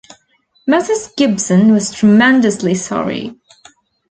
Mrs. Gibson was tremendously sorry.